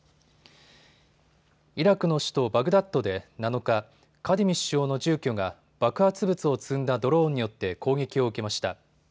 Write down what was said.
イラクの首都バグダッドで７日、カディミ首相の住居が爆発物を積んだドローンによって攻撃を受けました。